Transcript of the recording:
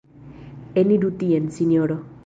Eniru tien, Sinjoro.